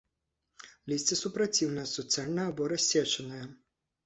Лісце супраціўнае, суцэльнае або рассечанае.